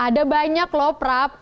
ada banyak loh prab